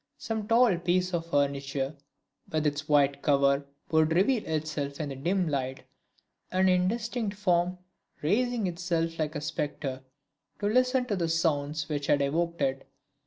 Some tall piece of furniture, with its white cover, would reveal itself in the dim light; an indistinct form, raising itself like a spectre to listen to the sounds which had evoked it.